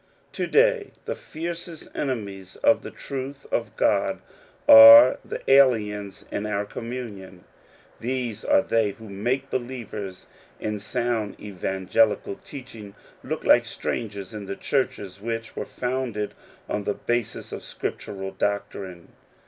To day, the fiercest enemies of the truth of God are the aliens in our communion. These are they who make believers in sound evangelical teaching look like strangers in the Churches which were founded on the basis of scriptural doctrine.